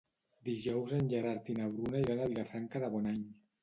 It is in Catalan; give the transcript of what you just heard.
Dijous en Gerard i na Bruna iran a Vilafranca de Bonany.